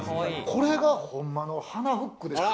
これがホンマの鼻フックですよ。